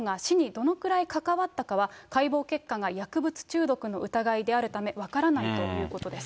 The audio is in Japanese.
どのぐらい関わったかは解剖結果が薬物中毒の疑いであるため、分からないということです。